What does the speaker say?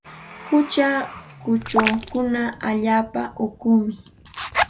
Qucha kuchunkuna allaapa uqumi.